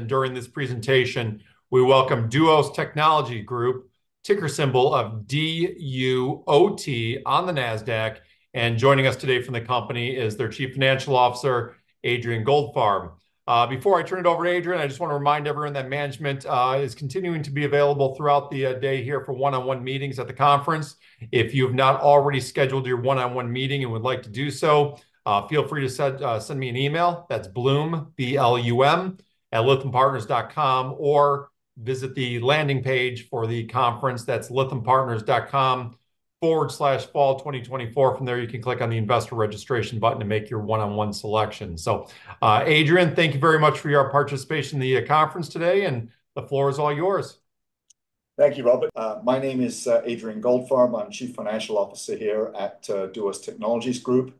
During this presentation, we welcome Duos Technologies Group, ticker symbol DUOT on the Nasdaq. Joining us today from the company is their Chief Financial Officer, Adrian Goldfarb. Before I turn it over to Adrian, I just want to remind everyone that management is continuing to be available throughout the day here for one-on-one meetings at the conference. If you have not already scheduled your one-on-one meeting and would like to do so, feel free to send me an email, that's Blum, B-L-U-M, @lythampartners.com, or visit the landing page for the conference, that's lythampartners.com/fall2024. From there, you can click on the Investor Registration button to make your one-on-one selection. Adrian, thank you very much for your participation in the conference today, and the floor is all yours. Thank you, Robert. My name is Adrian Goldfarb. I'm Chief Financial Officer here at Duos Technologies Group,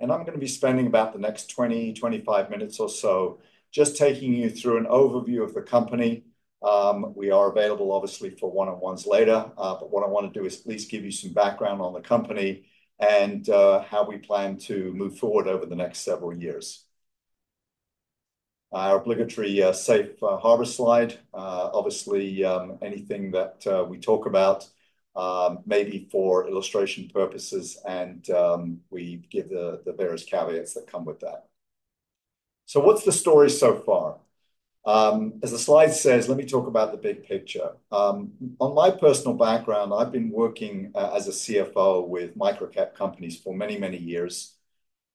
and I'm going to be spending about the next 20, 25 minutes or so just taking you through an overview of the company. We are available obviously for one-on-ones later, but what I want to do is at least give you some background on the company and how we plan to move forward over the next several years. Our obligatory safe harbor slide. Obviously, anything that we talk about may be for illustration purposes and we give the various caveats that come with that. So what's the story so far? As the slide says, let me talk about the big picture. On my personal background, I've been working as a CFO with microcap companies for many, many years.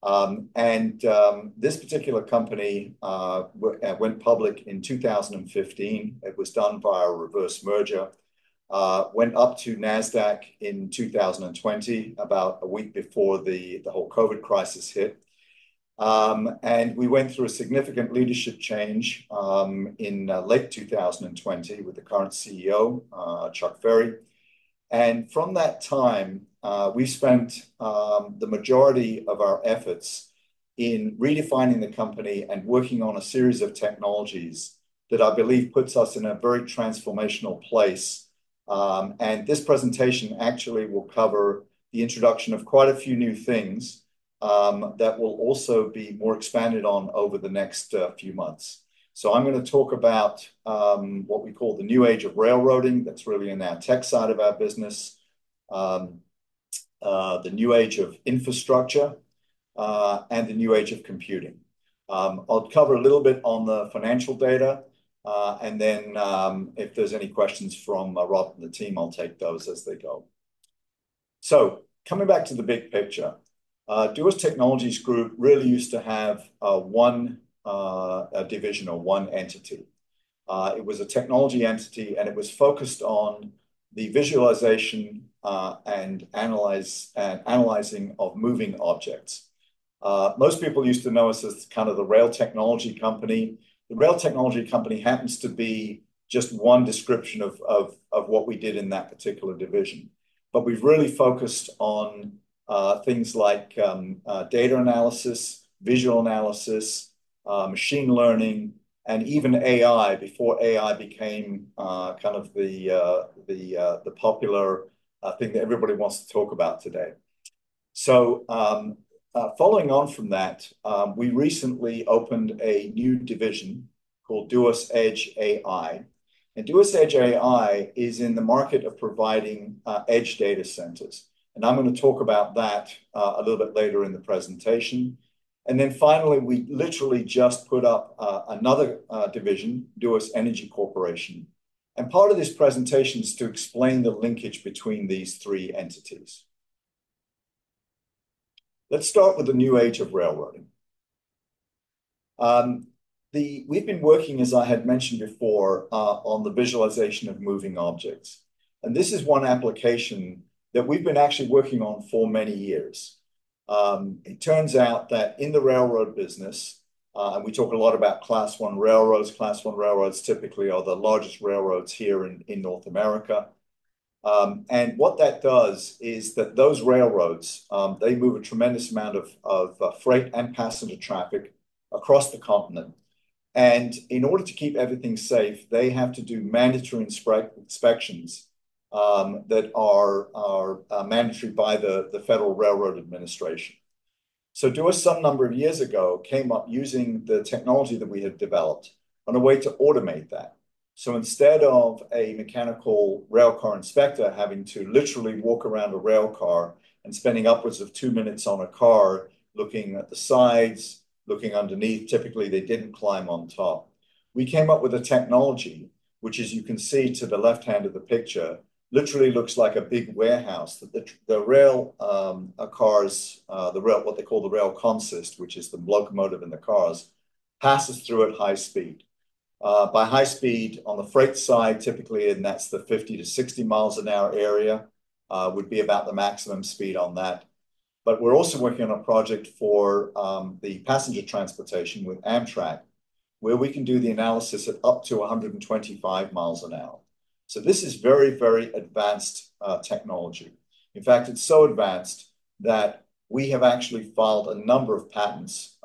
This particular company went public in 2015. It was done via a reverse merger. Went up to Nasdaq in 2020, about a week before the whole COVID crisis hit. We went through a significant leadership change in late 2020 with the current CEO, Chuck Ferry. From that time, we spent the majority of our efforts in redefining the company and working on a series of technologies that I believe puts us in a very transformational place. This presentation actually will cover the introduction of quite a few new things that will also be more expanded on over the next few months. So I'm going to talk about what we call the new age of railroading, that's really in our tech side of our business. The new age of infrastructure, and the new age of computing. I'll cover a little bit on the financial data, and then, if there's any questions from Rob and the team, I'll take those as they go. So coming back to the big picture, Duos Technologies Group really used to have one, a division or one entity. It was a technology entity, and it was focused on the visualization, and analyzing of moving objects. Most people used to know us as kind of the rail technology company. The rail technology company happens to be just one description of what we did in that particular division. But we've really focused on things like data analysis, visual analysis, machine learning, and even AI, before AI became kind of the popular thing that everybody wants to talk about today. So, following on from that, we recently opened a new division called Duos Edge AI, and Duos Edge AI is in the market of providing edge data centers, and I'm going to talk about that a little bit later in the presentation. And then finally, we literally just put up another division, Duos Energy Corporation. And part of this presentation is to explain the linkage between these three entities. Let's start with the new age of railroading. We've been working, as I had mentioned before, on the visualization of moving objects, and this is one application that we've been actually working on for many years. It turns out that in the railroad business, and we talk a lot about Class I railroads. Class One railroads typically are the largest railroads here in North America, and what that does is that those railroads they move a tremendous amount of freight and passenger traffic across the continent, and in order to keep everything safe, they have to do mandatory inspections that are mandatory by the Federal Railroad Administration, so Duos, some number of years ago, came up using the technology that we had developed on a way to automate that. So instead of a mechanical railcar inspector having to literally walk around a railcar and spending upwards of two minutes on a car, looking at the sides, looking underneath, typically, they didn't climb on top. We came up with a technology, which as you can see to the left hand of the picture, literally looks like a big warehouse that the rail consist, which is the locomotive and the cars, passes through at high speed. By high speed on the freight side, typically, and that's the 50 to 60 miles an hour area, would be about the maximum speed on that. But we're also working on a project for the passenger transportation with Amtrak, where we can do the analysis at up to 125 miles an hour. So this is very, very advanced technology. In fact, it's so advanced that we have actually filed a number of patents.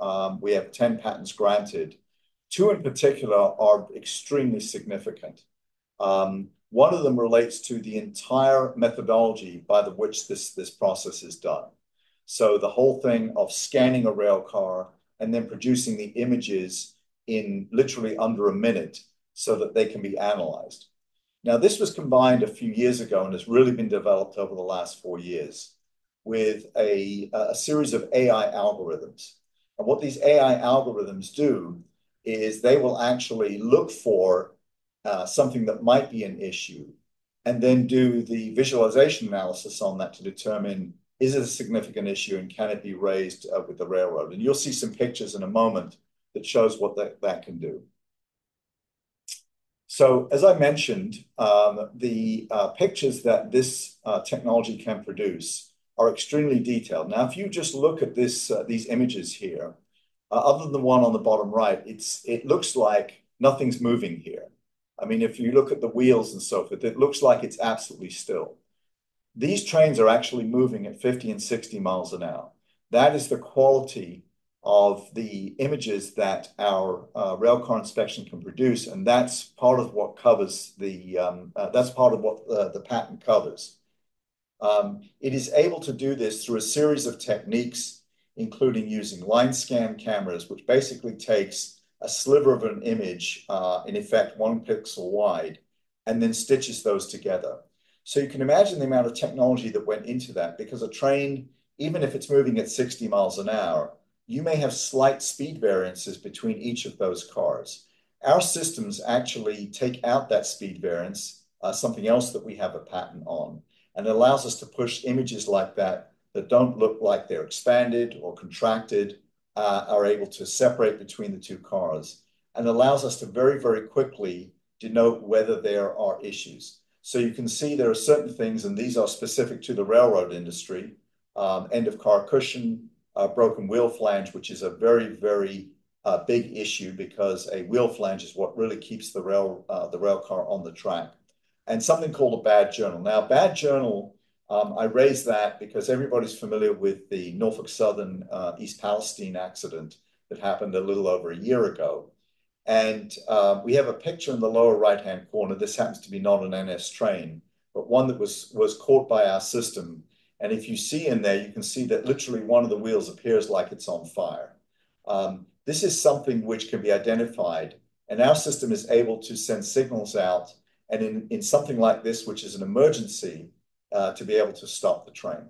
We have 10 patents granted. Two in particular are extremely significant. One of them relates to the entire methodology by which this process is done. So the whole thing of scanning a rail car and then producing the images in literally under a minute so that they can be analyzed. Now, this was combined a few years ago, and it's really been developed over the last four years, with a series of AI algorithms. And what these AI algorithms do is they will actually look for something that might be an issue, and then do the visualization analysis on that to determine: is it a significant issue, and can it be raised with the railroad? And you'll see some pictures in a moment that shows what that can do. So as I mentioned, the pictures that this technology can produce are extremely detailed. Now, if you just look at this, these images here, other than the one on the bottom right, it looks like nothing's moving here. I mean, if you look at the wheels and so forth, it looks like it's absolutely still. These trains are actually moving at 50 and 60 miles an hour. That is the quality of the images that our railcar inspection can produce, and that's part of what covers the. That's part of what the patent covers. It is able to do this through a series of techniques, including using line scan cameras, which basically takes a sliver of an image, in effect, one pixel wide, and then stitches those together. So you can imagine the amount of technology that went into that, because a train, even if it's moving at 60 miles an hour, you may have slight speed variances between each of those cars. Our systems actually take out that speed variance, something else that we have a patent on, and allows us to push images like that, that don't look like they're expanded or contracted, are able to separate between the two cars, and allows us to very, very quickly denote whether there are issues. So you can see there are certain things, and these are specific to the railroad industry, end-of-car cushion, a broken wheel flange, which is a very, very big issue because a wheel flange is what really keeps the rail, the rail car on the track, and something called a bad journal. Now, bad journal, I raise that because everybody's familiar with the Norfolk Southern East Palestine accident that happened a little over a year ago. And we have a picture in the lower right-hand corner. This happens to be not an NS train, but one that was caught by our system. And if you see in there, you can see that literally one of the wheels appears like it's on fire. This is something which can be identified, and our system is able to send signals out, and in something like this, which is an emergency, to be able to stop the train.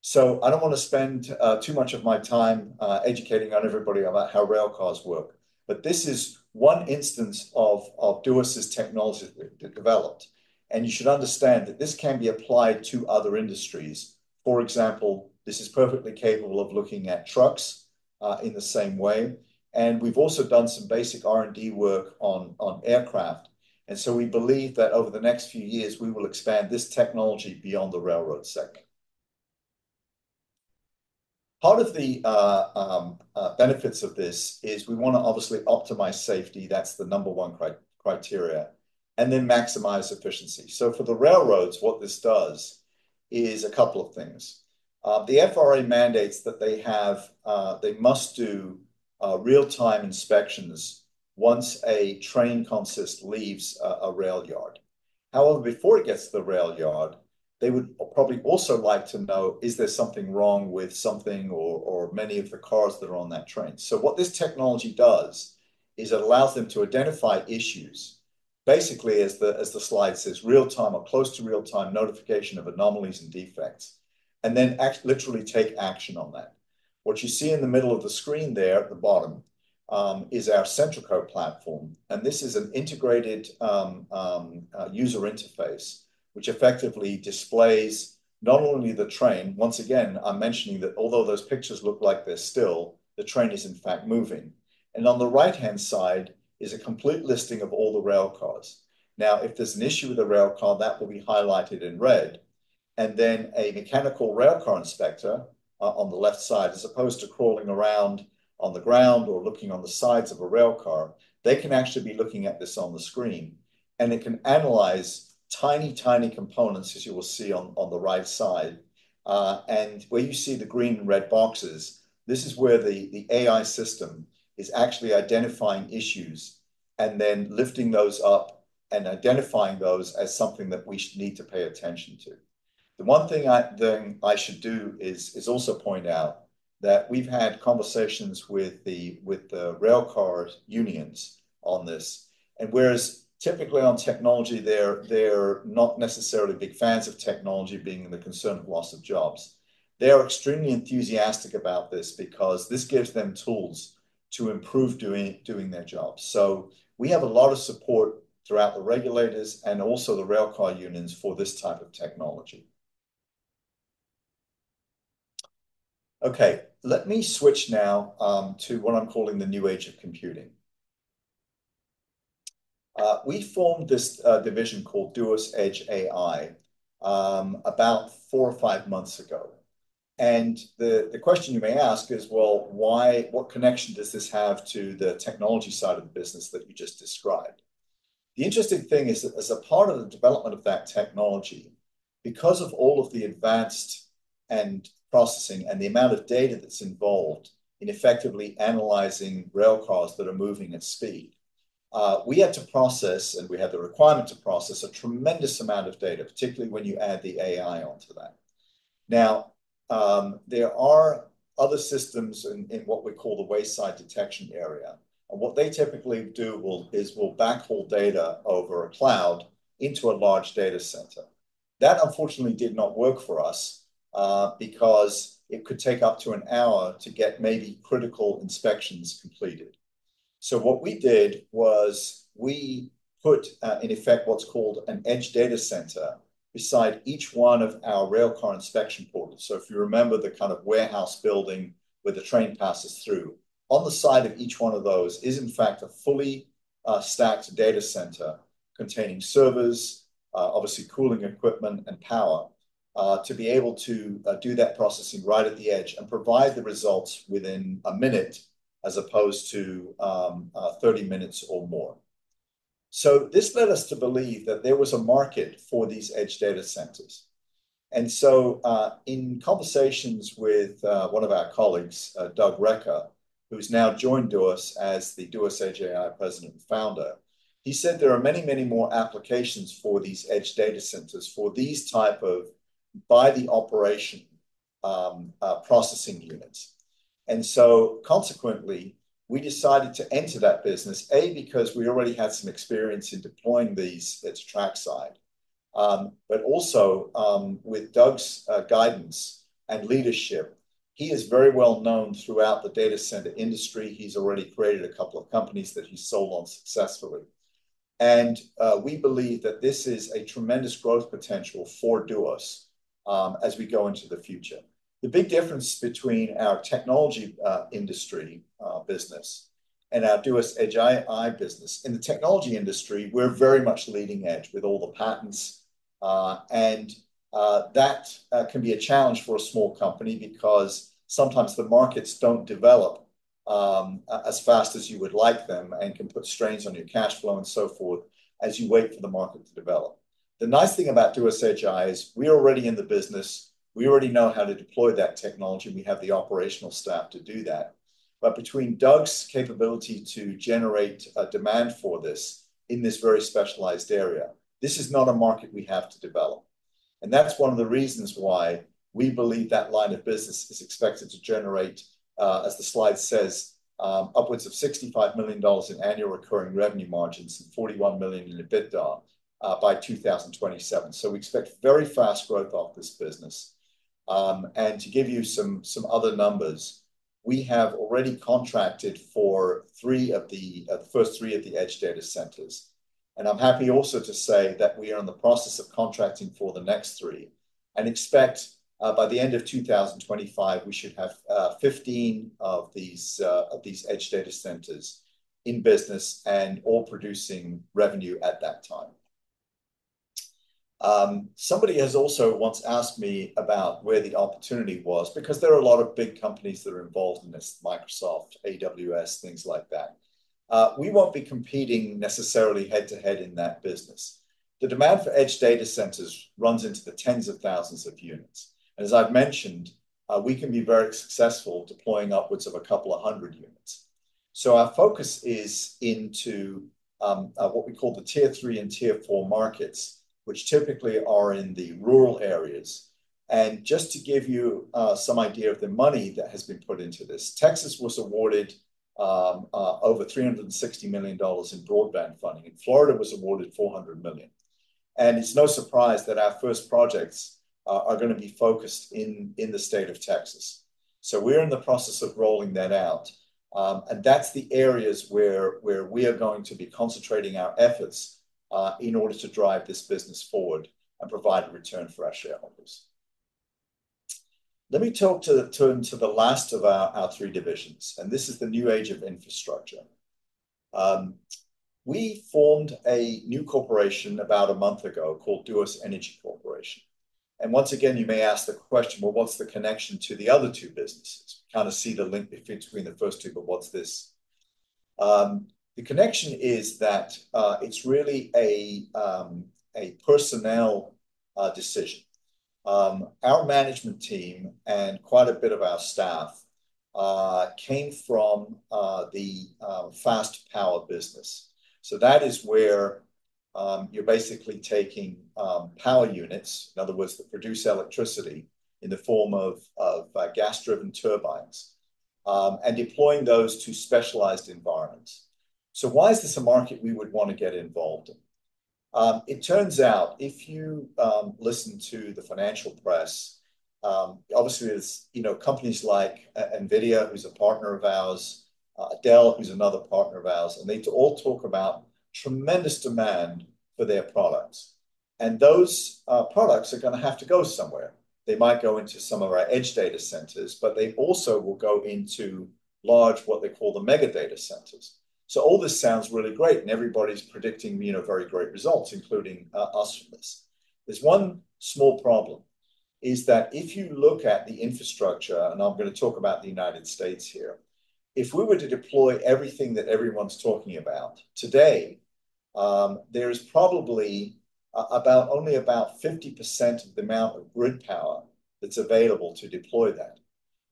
So I don't want to spend too much of my time educating on everybody about how rail cars work, but this is one instance of Duos's technology that they developed, and you should understand that this can be applied to other industries. For example, this is perfectly capable of looking at trucks in the same way, and we've also done some basic R&D work on aircraft. And so we believe that over the next few years, we will expand this technology beyond the railroad sector. Part of the benefits of this is we want to obviously optimize safety, that's the number one criteria, and then maximize efficiency. For the railroads, what this does is a couple of things. The FRA mandates that they must do real-time inspections once a train consist leaves a rail yard. However, before it gets to the rail yard, they would probably also like to know, is there something wrong with something or many of the cars that are on that train? So what this technology does is it allows them to identify issues, basically, as the slide says, real time or close to real-time notification of anomalies and defects, and then literally take action on that. What you see in the middle of the screen there at the bottom is our Centraco platform, and this is an integrated user interface, which effectively displays not only the train... Once again, I'm mentioning that although those pictures look like they're still, the train is in fact moving, and on the right-hand side is a complete listing of all the rail cars. Now, if there's an issue with a rail car, that will be highlighted in red, and then a mechanical rail car inspector on the left side, as opposed to crawling around on the ground or looking on the sides of a rail car, they can actually be looking at this on the screen, and they can analyze tiny, tiny components, as you will see on the right side. And where you see the green and red boxes, this is where the AI system is actually identifying issues, and then lifting those up and identifying those as something that we need to pay attention to. The one thing I should do is also point out that we've had conversations with the rail car unions on this, and whereas typically on technology, they're not necessarily big fans of technology, being in the concern of loss of jobs. They are extremely enthusiastic about this because this gives them tools to improve doing their jobs. So we have a lot of support throughout the regulators and also the rail car unions for this type of technology. Okay, let me switch now to what I'm calling the new age of computing. We formed this division called Duos Edge AI about four or five months ago. The question you may ask is, well, why, what connection does this have to the technology side of the business that you just described? The interesting thing is, as a part of the development of that technology, because of all of the advanced edge processing and the amount of data that's involved in effectively analyzing rail cars that are moving at speed. We had to process, and we had the requirement to process, a tremendous amount of data, particularly when you add the AI onto that. Now, there are other systems in what we call the wayside detection area, and what they typically do is backhaul data over a cloud into a large data center. That, unfortunately, did not work for us, because it could take up to an hour to get maybe critical inspections completed. So what we did was we put, in effect, what's called an edge data center beside each one of our railcar inspection portals. So if you remember the kind of warehouse building where the train passes through, on the side of each one of those is, in fact, a fully, stacked data center containing servers, obviously cooling equipment and power, to be able to, do that processing right at the edge and provide the results within a minute, as opposed to, 30 minutes or more. So this led us to believe that there was a market for these edge data centers. And so, in conversations with one of our colleagues, Doug Recker, who's now joined Duos as the Duos Edge AI president and founder, he said there are many, many more applications for these edge data centers, for these type of by-the-operation processing units. And so consequently, we decided to enter that business, A, because we already had some experience in deploying these. It's trackside, but also with Doug's guidance and leadership. He is very well known throughout the data center industry. He's already created a couple of companies that he sold on successfully. And we believe that this is a tremendous growth potential for Duos, as we go into the future. The big difference between our technology industry business and our Duos Edge AI business, in the technology industry, we're very much leading edge with all the patents. And that can be a challenge for a small company because sometimes the markets don't develop as fast as you would like them and can put strains on your cash flow and so forth as you wait for the market to develop. The nice thing about Duos Edge AI is we're already in the business. We already know how to deploy that technology, and we have the operational staff to do that. But between Doug's capability to generate a demand for this in this very specialized area, this is not a market we have to develop. And that's one of the reasons why we believe that line of business is expected to generate, as the slide says, upwards of $65 million in annual recurring revenue margins and $41 million in EBITDA by 2027. So we expect very fast growth of this business. And to give you some other numbers, we have already contracted for three of the first three of the edge data centers, and I'm happy also to say that we are in the process of contracting for the next three and expect by the end of 2025, we should have 15 of these edge data centers in business and all producing revenue at that time. Somebody has also once asked me about where the opportunity was, because there are a lot of big companies that are involved in this, Microsoft, AWS, things like that. We won't be competing necessarily head-to-head in that business. The demand for edge data centers runs into the tens of thousands of units, and as I've mentioned, we can be very successful deploying upwards of a couple of hundred units. Our focus is into what we call the Tier Three and Tier Four markets, which typically are in the rural areas. Just to give you some idea of the money that has been put into this, Texas was awarded over $360 million in broadband funding, and Florida was awarded $400 million. It's no surprise that our first projects are gonna be focused in the state of Texas. So we're in the process of rolling that out, and that's the areas where we are going to be concentrating our efforts in order to drive this business forward and provide a return for our shareholders. Let me turn to the last of our three divisions, and this is the new age of infrastructure. We formed a new corporation about a month ago called Duos Energy Corporation, and once again, you may ask the question: Well, what's the connection to the other two businesses? Kind of see the link between the first two, but what's this? The connection is that it's really a personnel decision. Our management team and quite a bit of our staff came from the fast power business. So that is where you're basically taking power units, in other words, that produce electricity in the form of gas-driven turbines, and deploying those to specialized environments. So why is this a market we would want to get involved in? It turns out, if you listen to the financial press, obviously, it's, you know, companies like NVIDIA, who's a partner of ours, Dell, who's another partner of ours, and they all talk about tremendous demand for their products. And those products are gonna have to go somewhere. They might go into some of our edge data centers, but they also will go into large, what they call the mega data centers. So all this sounds really great, and everybody's predicting, you know, very great results, including us from this. There's one small problem, is that if you look at the infrastructure, and I'm gonna talk about the United States here, if we were to deploy everything that everyone's talking about today, there is probably about only about 50% of the amount of grid power that's available to deploy that.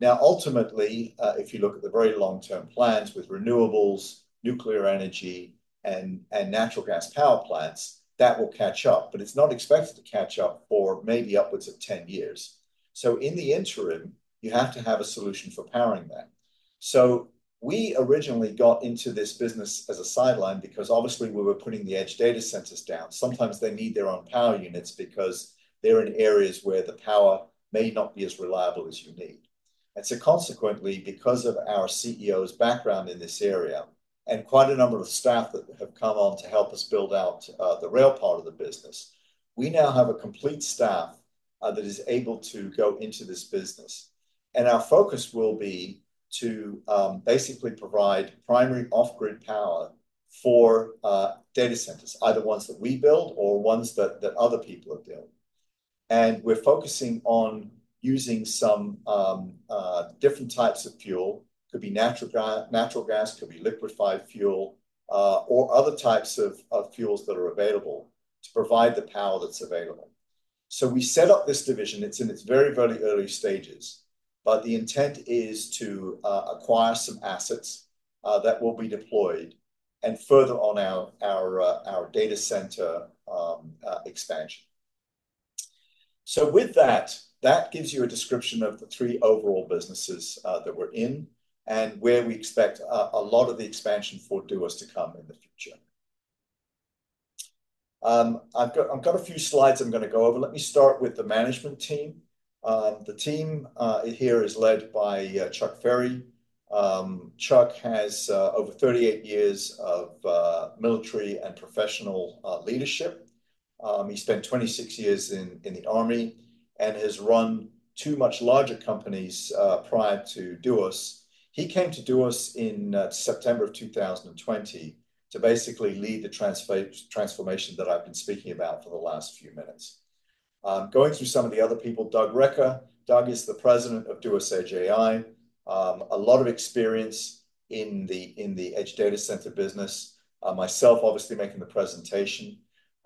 Now, ultimately, if you look at the very long-term plans with renewables, nuclear energy, and natural gas power plants, that will catch up, but it's not expected to catch up for maybe upwards of 10 years. So in the interim, you have to have a solution for powering that. So we originally got into this business as a sideline because obviously we were putting the edge data centers down. Sometimes they need their own power units because they're in areas where the power may not be as reliable as you need. And so consequently, because of our CEO's background in this area, and quite a number of staff that have come on to help us build out the rail part of the business, we now have a complete staff that is able to go into this business, and our focus will be to basically provide primary off-grid power for data centers, either ones that we build or ones that other people have built. And we're focusing on using some different types of fuel. Could be natural gas, could be liquefied fuel, or other types of fuels that are available to provide the power that's available. So we set up this division. It's in its very, very early stages, but the intent is to acquire some assets that will be deployed and further on our data center expansion. With that, that gives you a description of the three overall businesses that we're in and where we expect a lot of the expansion for Duos to come in the future. I've got a few slides I'm gonna go over. Let me start with the management team. The team here is led by Chuck Ferry. Chuck has over thirty-eight years of military and professional leadership. He spent 26 years in the army and has run two much larger companies prior to Duos. He came to Duos in September of 2020 to basically lead the transformation that I've been speaking about for the last few minutes. Going through some of the other people, Doug Recker. Doug is the president of Duos Edge AI. A lot of experience in the edge data center business. Myself, obviously making the presentation.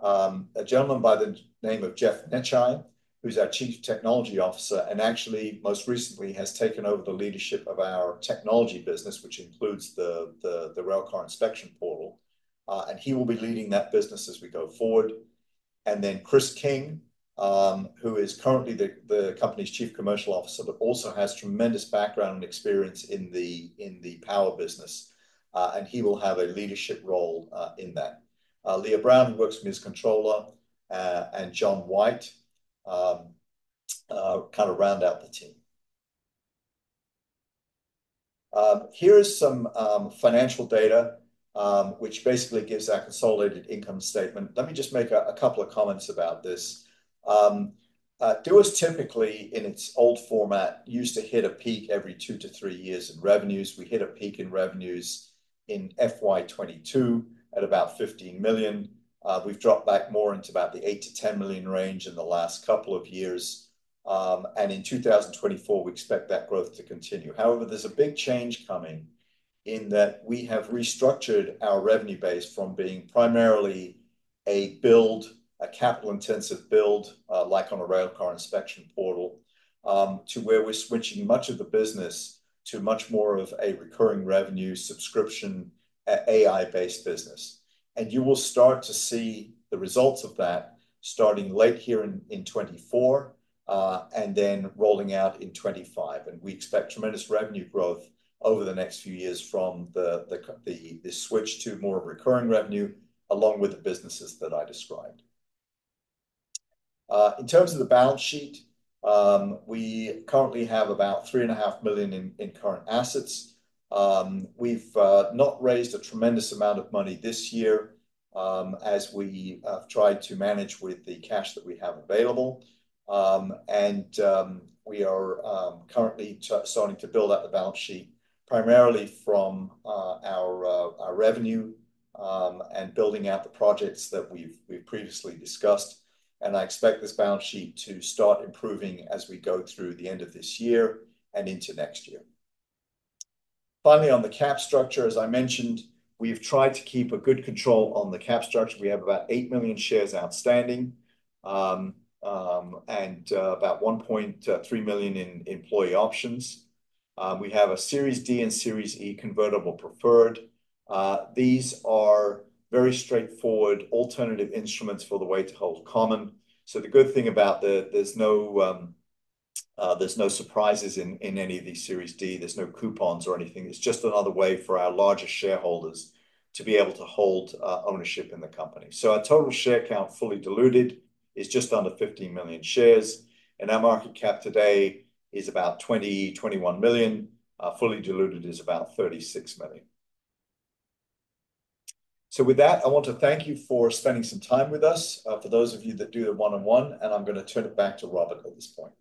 A gentleman by the name of Jeff Necciai, who's our Chief Technology Officer, and actually most recently has taken over the leadership of our technology business, which includes the Railcar Inspection Portal, and he will be leading that business as we go forward. Then Chris King, who is currently the company's Chief Commercial Officer, but also has tremendous background and experience in the power business, and he will have a leadership role in that. Leah Brown, who works as our controller, and John White kind of round out the team. Here is some financial data, which basically gives our consolidated income statement. Let me just make a couple of comments about this. Duos typically, in its old format, used to hit a peak every two to three years in revenues. We hit a peak in revenues in FY 2022 at about $15 million. We've dropped back more into about the $8 million-$10 million range in the last couple of years. In 2024, we expect that growth to continue. However, there's a big change coming in that we have restructured our revenue base from being primarily a capital-intensive build, like on a railcar inspection portal, to where we're switching much of the business to much more of a recurring revenue subscription, AI-based business. And you will start to see the results of that starting late here in 2024, and then rolling out in 2025. And we expect tremendous revenue growth over the next few years from the switch to more recurring revenue, along with the businesses that I described. In terms of the balance sheet, we currently have about $3.5 million in current assets. We've not raised a tremendous amount of money this year, as we have tried to manage with the cash that we have available. We are currently starting to build out the balance sheet, primarily from our revenue, and building out the projects that we've previously discussed, and I expect this balance sheet to start improving as we go through the end of this year and into next year. Finally, on the cap structure, as I mentioned, we've tried to keep a good control on the cap structure. We have about eight million shares outstanding, and about 1.3 million in employee options. We have a Series D and Series E convertible preferred. These are very straightforward alternative instruments for the way to hold common. So the good thing about. There's no surprises in any of these Series D. There's no coupons or anything. It's just another way for our larger shareholders to be able to hold ownership in the company. So our total share count, fully diluted, is just under 50 million shares, and our market cap today is about $20-$21 million. Fully diluted is about $36 million. So with that, I want to thank you for spending some time with us, for those of you that do the one-on-one, and I'm gonna turn it back to Robert at this point.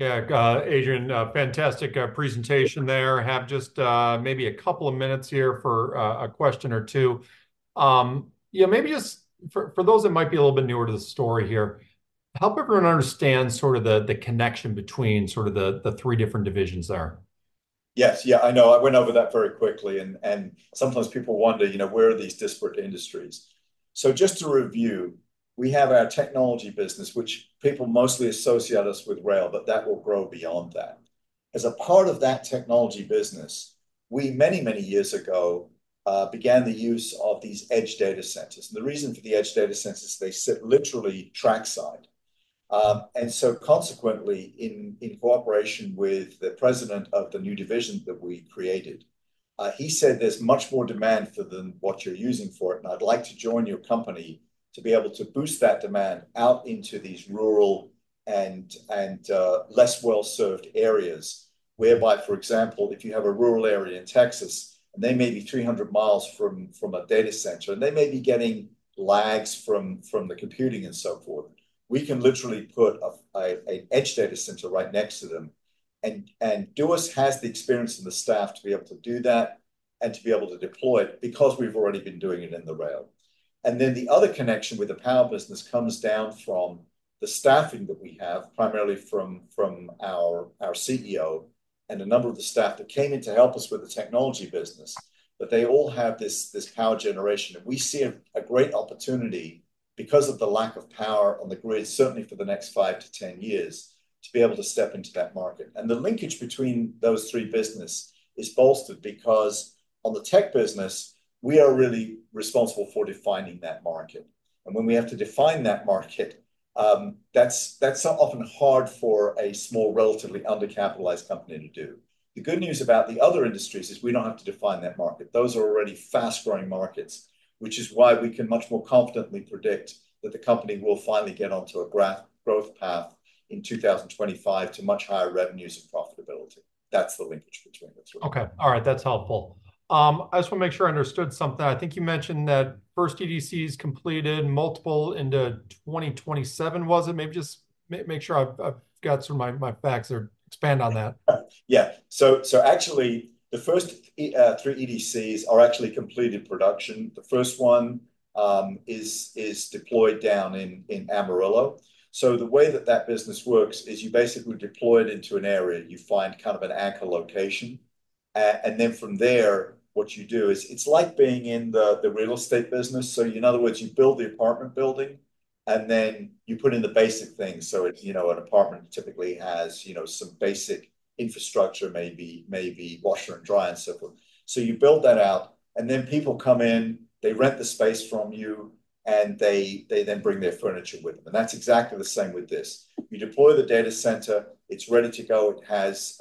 Yeah, Adrian, fantastic presentation there. Have just maybe a couple of minutes here for a question or two. Yeah, maybe just for those that might be a little bit newer to the story here, help everyone understand sort of the connection between sort of the three different divisions there. .Yes. Yeah, I know. I went over that very quickly, and sometimes people wonder, you know, where are these disparate industries? So just to review, we have our technology business, which people mostly associate us with rail, but that will grow beyond that. As a part of that technology business, we many, many years ago began the use of these edge data centers. And the reason for the edge data centers, they sit literally track side. And so consequently, in cooperation with the president of the new division that we've created, he said there's much more demand for than what you're using for it, and I'd like to join your company to be able to boost that demand out into these rural and less well-served areas. Whereby, for example, if you have a rural area in Texas, and they may be 300 mi from a data center, and they may be getting lags from the computing and so forth, we can literally put an edge data center right next to them, and Duos has the experience and the staff to be able to do that and to be able to deploy it, because we've already been doing it in the rail, and then the other connection with the power business comes down from the staffing that we have, primarily from our CEO and a number of the staff that came in to help us with the technology business. But they all have this power generation, and we see a great opportunity because of the lack of power on the grid, certainly for the next five to ten years, to be able to step into that market. And the linkage between those three business is bolstered because on the tech business, we are really responsible for defining that market. And when we have to define that market, that's often hard for a small, relatively undercapitalized company to do. The good news about the other industries is we don't have to define that market. Those are already fast-growing markets, which is why we can much more confidently predict that the company will finally get onto a growth path in 2025 to much higher revenues and profitability. That's the linkage between the three. Okay. All right, that's helpful. I just wanna make sure I understood something. I think you mentioned that first EDCs completed multiple into 2027, was it? Maybe just make sure I've got sort of my facts there. Expand on that. Yeah. So actually the first three EDCs are actually complete in production. The first one is deployed down in Amarillo. So the way that that business works is you basically deploy it into an area. You find kind of an anchor location, and then from there, what you do is... It's like being in the real estate business. So in other words, you build the apartment building, and then you put in the basic things. So it, you know, an apartment typically has, you know, some basic infrastructure, maybe washer and dryer and so forth. So you build that out, and then people come in, they rent the space from you, and they then bring their furniture with them. And that's exactly the same with this. You deploy the data center, it's ready to go. It has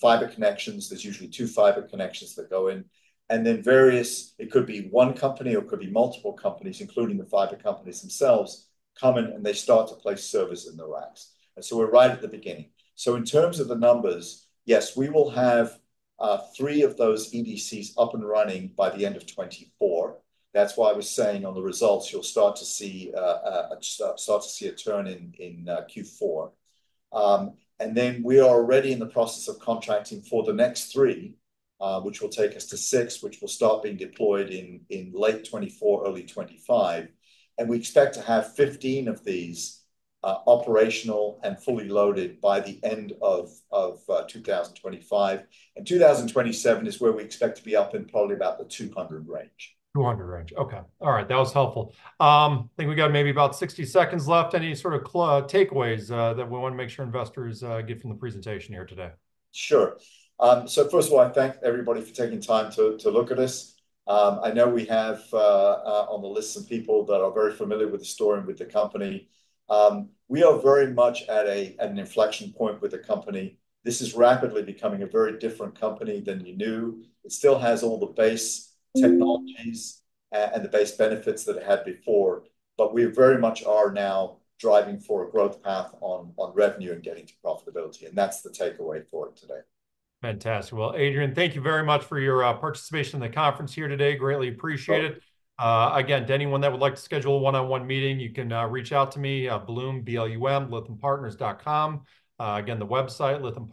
fiber connections. There's usually two fiber connections that go in, and then various, it could be one company or it could be multiple companies, including the fiber companies themselves, come in, and they start to place servers in the racks, and so we're right at the beginning, so in terms of the numbers, yes, we will have three of those EDCs up and running by the end of 2024. That's why I was saying on the results, you'll start to see a turn in Q4, and then we are already in the process of contracting for the next three, which will take us to six, which will start being deployed in late 2024, early 2025. We expect to have 15 of these operational and fully loaded by the end of 2025. 2027 is where we expect to be up in probably about the 200 range. Two hundred range, okay. All right, that was helpful. I think we got maybe about 60 seconds left. Any sort of takeaways that we wanna make sure investors get from the presentation here today? Sure, so first of all, I thank everybody for taking time to look at this. I know we have on the list some people that are very familiar with the story and with the company. We are very much at an inflection point with the company. This is rapidly becoming a very different company than you knew. It still has all the base technologies and the base benefits that it had before, but we very much are now driving for a growth path on revenue and getting to profitability, and that's the takeaway for it today. Fantastic. Well, Adrian, thank you very much for your participation in the conference here today. Greatly appreciate it. Welcome. Again, to anyone that would like to schedule a one-on-one meeting, you can reach out to me, Blum, B-L-U-M, lythampartners.com. Again, the website, Lytham Partners-